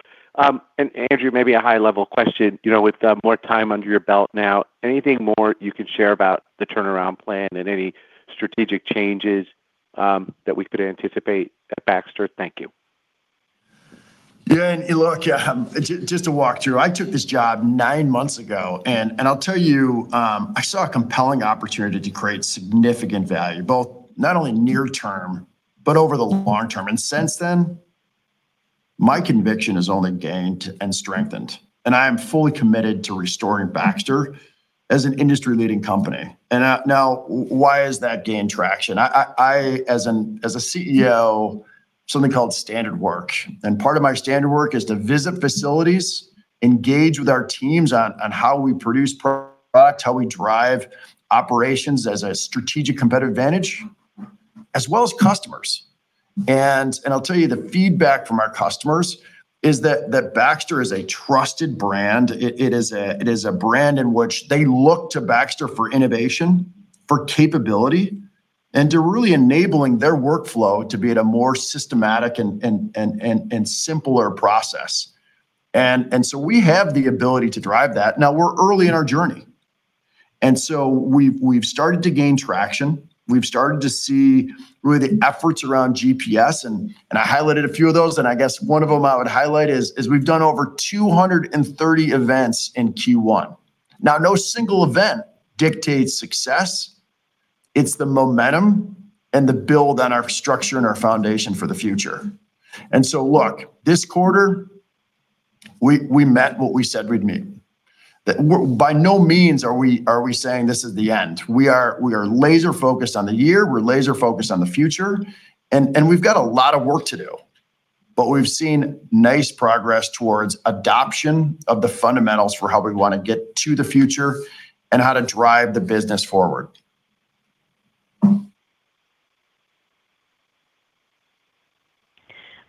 Andrew, maybe a high-level question. You know, with more time under your belt now, anything more you can share about the turnaround plan and any strategic changes that we could anticipate at Baxter? Thank you. Yeah, and look, just to walk through. I took this job nine months ago, and I'll tell you, I saw a compelling opportunity to create significant value, both not only near term but over the long term. Since then, my conviction has only gained and strengthened, and I am fully committed to restoring Baxter as an industry-leading company. Now why has that gained traction? As a CEO, something called standard work. Part of my standard work is to visit facilities, engage with our teams on how we produce products, how we drive operations as a strategic competitive advantage, as well as customers. And I'll tell you, the feedback from our customers is that Baxter is a trusted brand. It is a brand in which they look to Baxter for innovation, for capability, and to really enabling their workflow to be at a more systematic and simpler process. So we have the ability to drive that. We're early in our journey, so we've started to gain traction. We've started to see really the efforts around GPS, and I highlighted a few of those, and I guess one of them I would highlight is we've done over 230 events in Q1. No single event dictates success. It's the momentum and the build on our structure and our foundation for the future. Look, this quarter, we met what we said we'd meet. By no means are we saying this is the end. We are laser-focused on the year. We're laser-focused on the future. We've got a lot of work to do. We've seen nice progress towards adoption of the fundamentals for how we wanna get to the future and how to drive the business forward.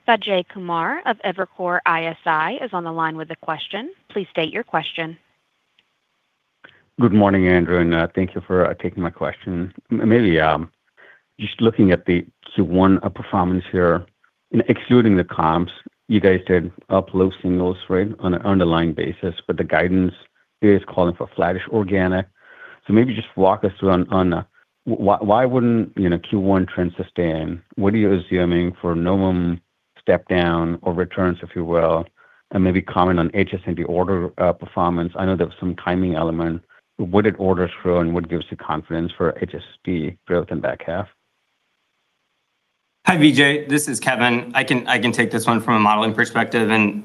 Vijay Kumar of Evercore ISI is on the line with a question. Please state your question. Good morning, Andrew Hider, thank you for taking my question. Just looking at the Q1 performance here, excluding the comps, you guys did up low singles, right, on an underlying basis. The guidance here is calling for flattish organic. Maybe just walk us through on why wouldn't, you know, Q1 trends sustain? What are you assuming for Novum step down or returns, if you will? Maybe comment on HST and the order performance. I know there was some timing element. Would it order through, what gives you confidence for HST growth in back half? Hi, Vijay. This is Kevin. I can take this one from a modeling perspective and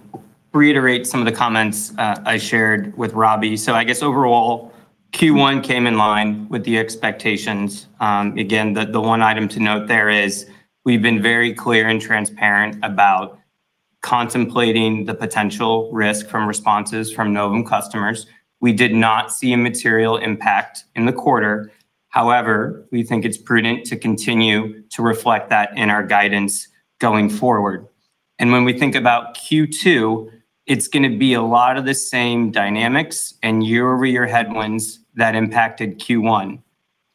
reiterate some of the comments I shared with Robbie. I guess overall, Q1 came in line with the expectations. Again, the one item to note there is we've been very clear and transparent about contemplating the potential risk from responses from Novum customers. We did not see a material impact in the quarter. However, we think it's prudent to continue to reflect that in our guidance going forward. When we think about Q2, it's gonna be a lot of the same dynamics and year-over-year headwinds that impacted Q1.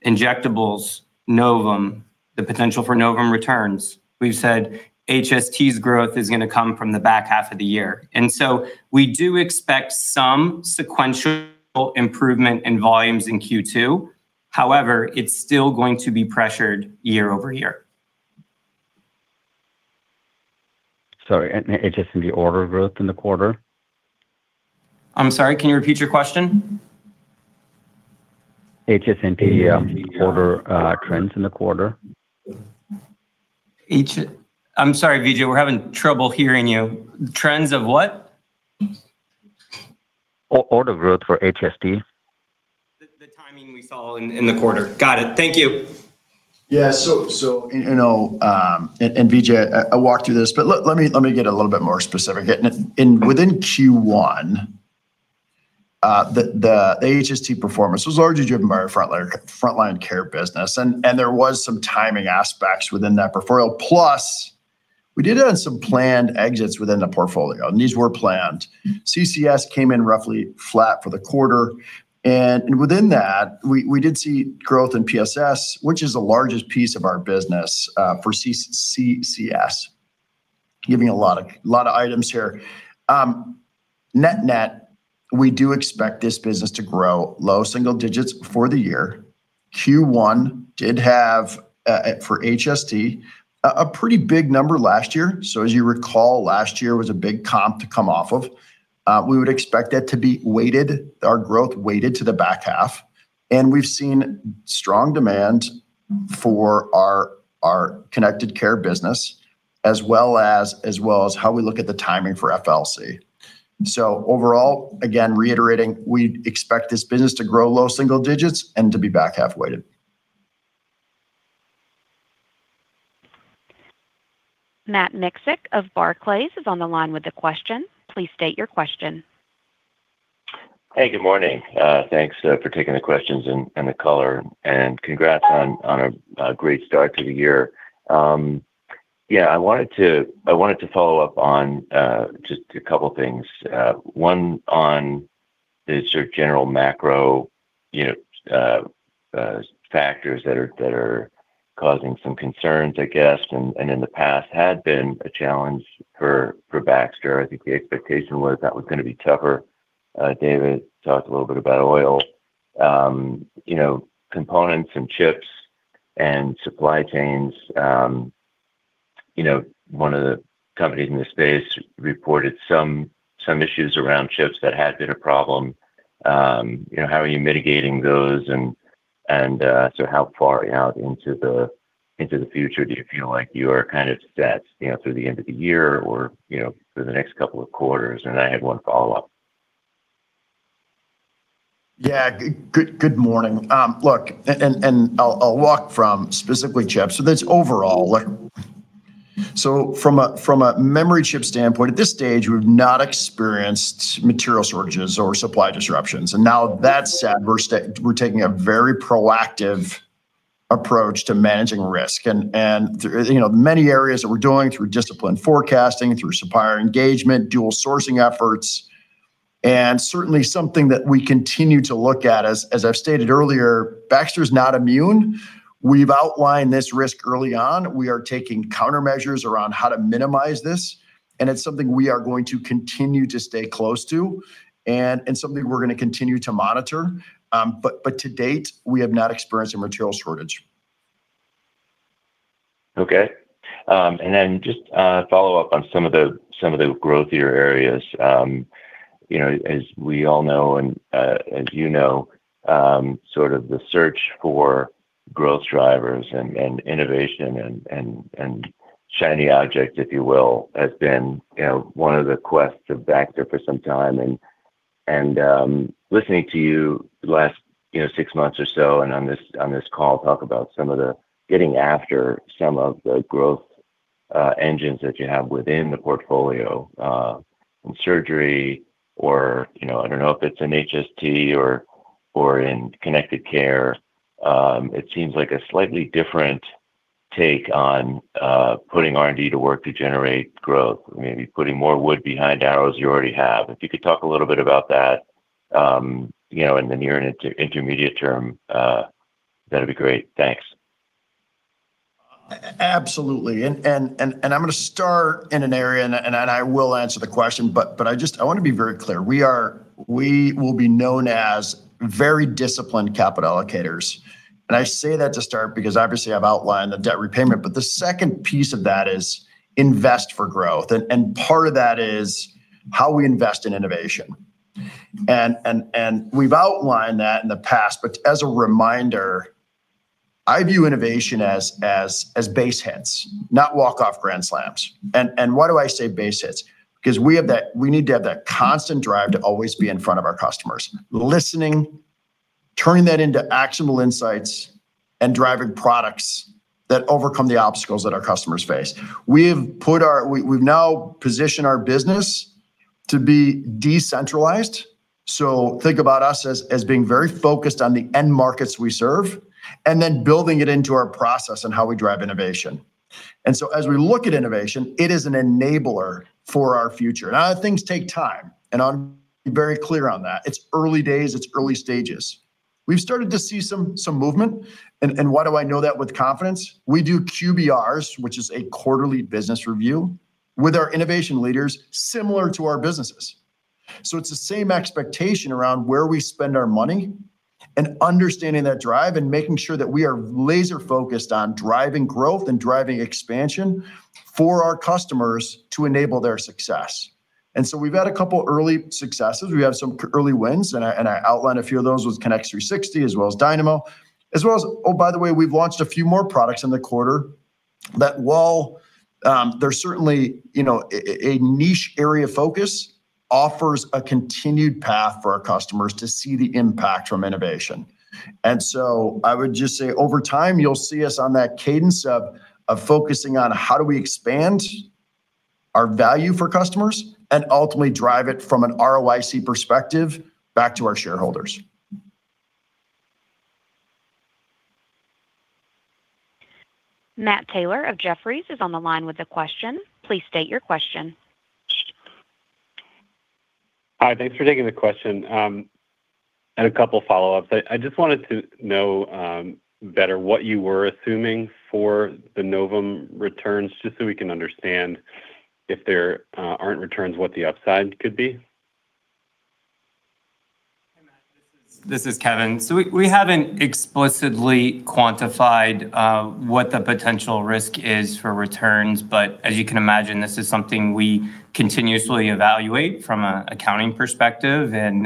Injectables, Novum, the potential for Novum returns. We've said HST's growth is gonna come from the back half of the year. We do expect some sequential improvement in volumes in Q2. It's still going to be pressured year-over-year. Sorry, HST and the order growth in the quarter? I'm sorry, can you repeat your question? HST and the order trends in the quarter. I'm sorry, Vijay. We're having trouble hearing you. Trends of what? Order growth for HST. The timing we saw in the quarter. Got it. Thank you. You know, Vijay, I walked through this, but let me get a little bit more specific. Within Q1, the HST performance was largely driven by our Front Line Care business. There was some timing aspects within that portfolio. Plus, we did have some planned exits within the portfolio, and these were planned. CCS came in roughly flat for the quarter. Within that, we did see growth in PSS, which is the largest piece of our business for CCS. Giving a lot of items here. Net-net, we do expect this business to grow low single digits before the year. Q1 did have for HST a pretty big number last year. As you recall, last year was a big comp to come off of. We would expect it to be weighted, our growth weighted to the back half. We've seen strong demand for our Connected Care business as well as how we look at the timing for FLC. Overall, again, reiterating, we expect this business to grow low single digits and to be back half-weighted. Matt Miksic of Barclays is on the line with a question. Please state your question. Hey, good morning. Thanks for taking the questions and the color. Congrats on a great start to the year. Yeah, I wanted to follow up on just a couple of things. One on the sort of general macro, you know, factors that are causing some concerns, I guess, and in the past had been a challenge for Baxter. I think the expectation was that was going to be tougher. David talked a little bit about oil. You know, components and chips and supply chains, you know, one of the companies in this space reported some issues around ships that had been a problem. You know, how are you mitigating those and how far out into the future do you feel like you are kind of set, you know, through the end of the year or, you know, through the next couple of quarters? I had one follow-up. Good morning. look, I'll walk from specifically chips. That's overall. From a memory chip standpoint, at this stage, we've not experienced material shortages or supply disruptions. Now that said, we're taking a very proactive approach to managing risk and through, you know, many areas that we're doing through disciplined forecasting, through supplier engagement, dual sourcing efforts, certainly something that we continue to look at. As I've stated earlier, Baxter's not immune. We've outlined this risk early on. We are taking countermeasures around how to minimize this. It's something we are going to continue to stay close to and something we're gonna continue to monitor. To date, we have not experienced a material shortage. Okay. Just a follow-up on some of the growthier areas. You know, as we all know and, as you know, sort of the search for growth drivers and innovation and shiny object, if you will, has been, you know, one of the quests of Baxter for some time. Listening to you the last, you know, six months or so and on this call talk about some of the getting after some of the growth engines that you have within the portfolio, in surgery or, you know, I don't know if it's in HST or in Connected Care, it seems like a slightly different take on putting R&D to work to generate growth, maybe putting more wood behind arrows you already have. If you could talk a little bit about that, you know, in the near and intermediate term, that'd be great. Thanks. Absolutely. I'm gonna start in an area and I will answer the question, but I just, I want to be very clear. We will be known as very disciplined capital allocators. I say that to start because obviously I've outlined the debt repayment. The second piece of that is invest for growth, and part of that is how we invest in innovation. We've outlined that in the past. As a reminder, I view innovation as base hits, not walk-off grand slams. Why do I say base hits? Because we need to have that constant drive to always be in front of our customers, listening, turning that into actionable insights, and driving products that overcome the obstacles that our customers face. We've now positioned our business to be decentralized, think about us as being very focused on the end markets we serve, building it into our process and how we drive innovation. As we look at innovation, it is an enabler for our future. Things take time, I'll be very clear on that. It's early days. It's early stages. We've started to see some movement, why do I know that with confidence? We do QBRs, which is a quarterly business review, with our innovation leaders similar to our businesses. It's the same expectation around where we spend our money and understanding that drive and making sure that we are laser-focused on driving growth and driving expansion for our customers to enable their success. We've had a couple early successes. We have some early wins, I outlined a few of those with Connex 360 as well as Dynamo. We've launched a few more products in the quarter that while, they're certainly, you know, a niche area of focus offers a continued path for our customers to see the impact from innovation. I would just say over time you'll see us on that cadence of focusing on how do we expand our value for customers and ultimately drive it from an ROIC perspective back to our shareholders. Matt Taylor of Jefferies is on the line with a question. Please state your question. Hi. Thanks for taking the question. A couple follow-ups. I just wanted to know better what you were assuming for the Novum returns, just so we can understand if there aren't returns, what the upside could be. Hey, Matt. This is Kevin. We haven't explicitly quantified what the potential risk is for returns. As you can imagine, this is something we continuously evaluate from an accounting perspective and,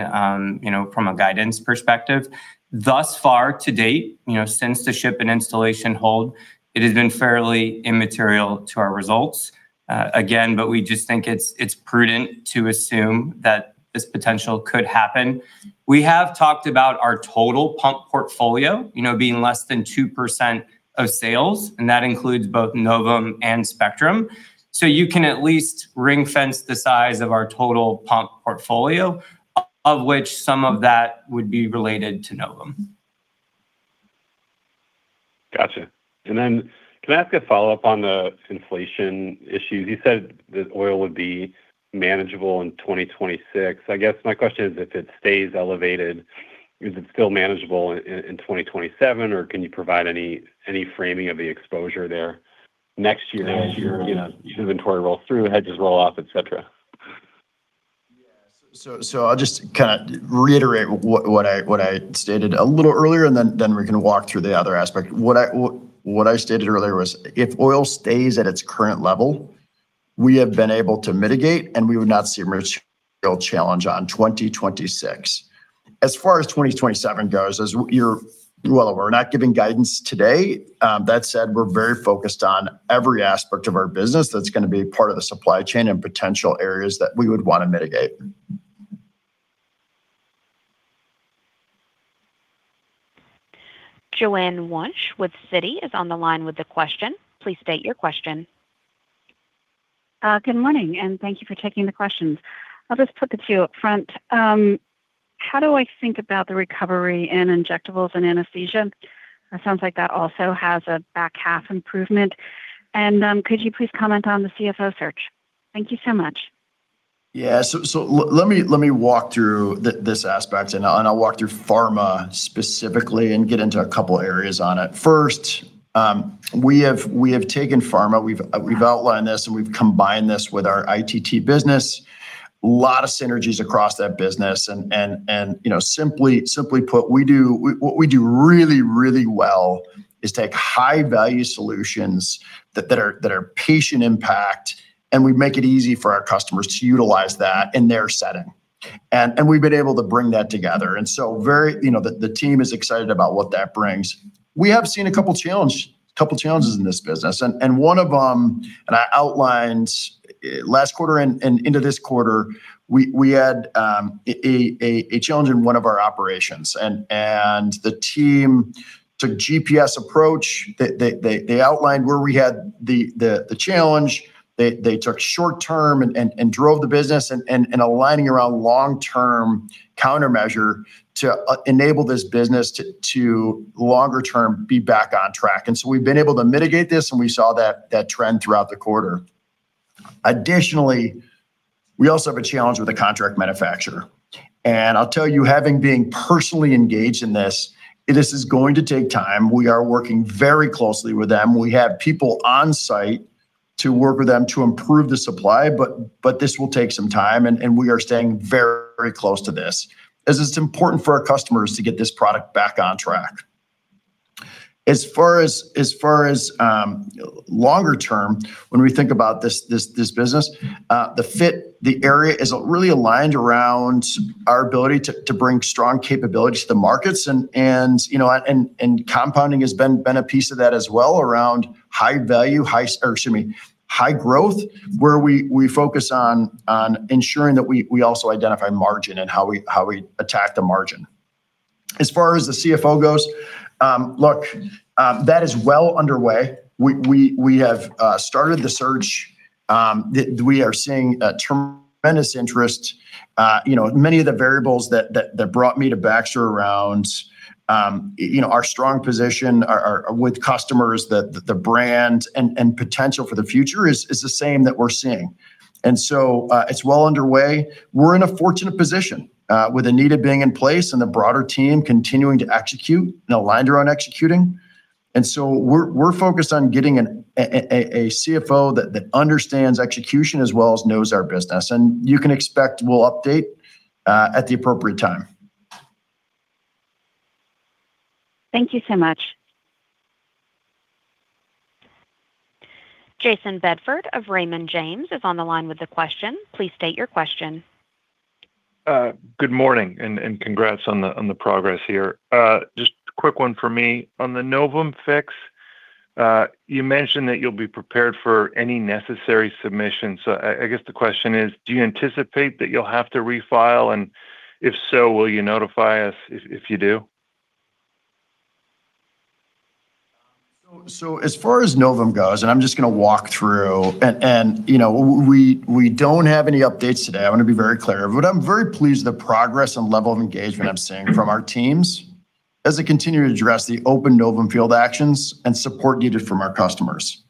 you know, from a guidance perspective. Thus far to date, you know, since the ship and installation hold, it has been fairly immaterial to our results. Again, but we just think it's prudent to assume that this potential could happen. We have talked about our total pump portfolio, you know, being less than 2% of sales, and that includes both Novum and Spectrum. You can at least ring-fence the size of our total pump portfolio, of which some of that would be related to Novum. Gotcha. Can I ask a follow-up on the inflation issues? You said that oil would be manageable in 2026. I guess my question is, if it stays elevated, is it still manageable in 2027, or can you provide any framing of the exposure there next year. Next year.... as your, you know, inventory rolls through, hedges roll off, et cetera? I'll just kinda reiterate what I stated a little earlier and then we can walk through the other aspect. What I stated earlier was if oil stays at its current level, we have been able to mitigate, and we would not see a material challenge on 2026. As far as 2027 goes. Well, we're not giving guidance today. That said, we're very focused on every aspect of our business that's gonna be a part of the supply chain and potential areas that we would wanna mitigate. Joanne Wuensch with Citi is on the line with a question. Please state your question. Good morning, and thank you for taking the questions. I'll just put the two up front. How do I think about the recovery in injectables and anesthesia? It sounds like that also has a back half improvement. Could you please comment on the CFO search? Thank you so much. Let me walk through this aspect, I'll walk through pharma specifically and get into couple of areas on it. First, we have taken pharma, we've outlined this, and we've combined this with our ITT business. Lot of synergies across that business, you know, simply put, what we do really well is take high value solutions that are patient impact, we make it easy for our customers to utilize that in their setting. We've been able to bring that together. Very, you know, the team is excited about what that brings. We have seen a couple challenges in this business and one of them, I outlined last quarter and into this quarter, we had a challenge in one of our operations. The team took GPS approach. They outlined where we had the challenge. They took short term and drove the business and aligning around long-term countermeasure to enable this business to longer term be back on track. We've been able to mitigate this, and we saw that trend throughout the quarter. Additionally, we also have a challenge with a contract manufacturer. I'll tell you, having been personally engaged in this is going to take time. We are working very closely with them. We have people on site to work with them to improve the supply, but this will take some time, and we are staying very close to this, as it's important for our customers to get this product back on track. As far as longer term, when we think about this business, the fit, the area is really aligned around our ability to bring strong capability to the markets and, you know, and compounding has been a piece of that as well around high value, high growth, where we focus on ensuring that we also identify margin and how we attack the margin. As far as the CFO goes, look, that is well underway. We have started the search. We are seeing a tremendous interest. You know, many of the variables that brought me to Baxter around, you know, our strong position with customers, the brand, and potential for the future is the same that we're seeing. It's well underway. We're in a fortunate position with Anita being in place and the broader team continuing to execute and aligned around executing. We're focused on getting a CFO that understands execution as well as knows our business. You can expect we'll update at the appropriate time. Thank you so much. Jayson Bedford of Raymond James is on the line with a question. Please state your question. Good morning and congrats on the progress here. Just quick one for me. On the Novum fix, you mentioned that you'll be prepared for any necessary submissions. I guess the question is, do you anticipate that you'll have to refile? If so, will you notify us if you do? As far as Novum goes, I'm just gonna walk through, you know, we don't have any updates today, I wanna be very clear. I'm very pleased with the progress and level of engagement I'm seeing from our teams as they continue to address the open Novum field actions and support needed from our customers.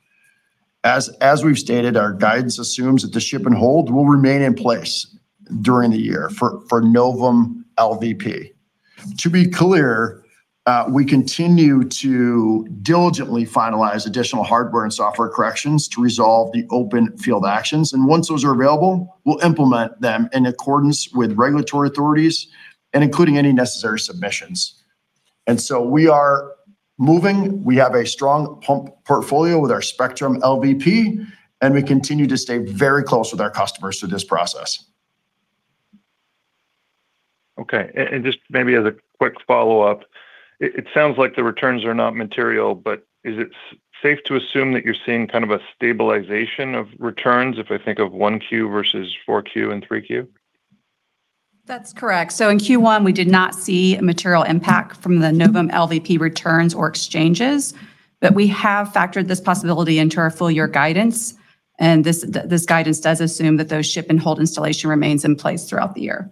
As we've stated, our guidance assumes that the ship and hold will remain in place during the year for Novum LVP. To be clear, we continue to diligently finalize additional hardware and software corrections to resolve the open field actions. Once those are available, we'll implement them in accordance with regulatory authorities and including any necessary submissions. We are moving. We have a strong pump portfolio with our Spectrum LVP, and we continue to stay very close with our customers through this process. Okay. Just maybe as a quick follow-up, it sounds like the returns are not material, but is it safe to assume that you're seeing kind of a stabilization of returns if I think of 1Q versus 4Q and 3Q? That's correct. In Q1, we did not see a material impact from the Novum LVP returns or exchanges. We have factored this possibility into our full year guidance, and this guidance does assume that those ship and hold installation remains in place throughout the year.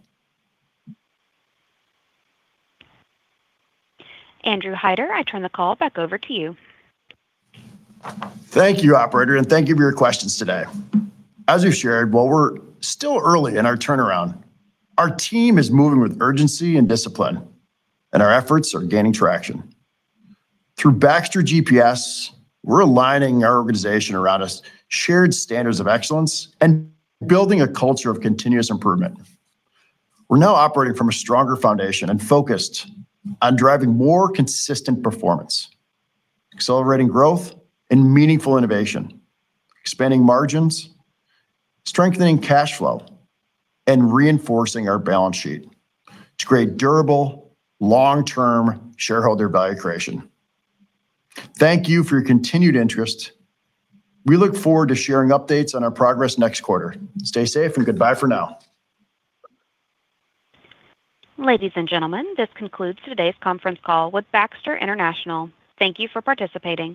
Andrew Hider, I turn the call back over to you. Thank you, operator. Thank you for your questions today. As we shared, while we're still early in our turnaround, our team is moving with urgency and discipline, and our efforts are gaining traction. Through Baxter GPS, we're aligning our organization around shared standards of excellence and building a culture of continuous improvement. We're now operating from a stronger foundation and focused on driving more consistent performance, accelerating growth and meaningful innovation, expanding margins, strengthening cash flow, and reinforcing our balance sheet to create durable, long-term shareholder value creation. Thank you for your continued interest. We look forward to sharing updates on our progress next quarter. Stay safe and goodbye for now. Ladies and gentlemen, this concludes today's conference call with Baxter International. Thank you for participating.